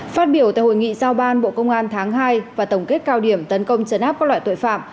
phát biểu tại hội nghị giao ban bộ công an tháng hai và tổng kết cao điểm tấn công chấn áp các loại tội phạm